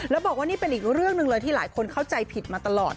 แล้วบอกว่านี่เป็นอีกเรื่องหนึ่งเลยที่หลายคนเข้าใจผิดมาตลอด